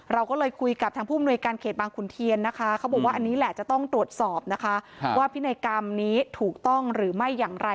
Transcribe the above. เราก็เลยคุยกับทางผู้อำนวยการเขตบางขุนเทียนนะคะเขาบอกว่าอันนี้แหละจะต้องตรวจสอบนะคะว่าพินัยกรรมนี้ถูกต้องหรือไม่อย่างไร